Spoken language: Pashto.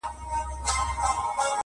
کله سوړ نسیم چلیږي کله ټاکنده غرمه سي-